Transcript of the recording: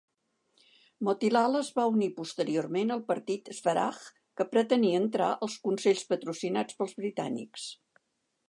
Motilal es va unir posteriorment al Partit Swaraj, que pretenia entrar als consells patrocinats pels britànics.